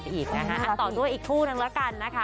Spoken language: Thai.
ต่นด้วยอีกคู่นั้นเวลากัน